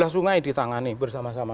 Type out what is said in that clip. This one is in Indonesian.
tiga sungai ditangani bersama sama